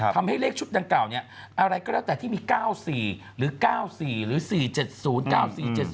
ทำให้เลขชุดดังเก่าอะไรก็แล้วแต่ที่มี๙๔หรือ๙๔หรือ๔๗๐